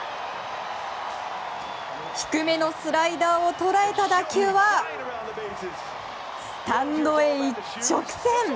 低めのスライダーを捉えた打球はスタンドへ一直線！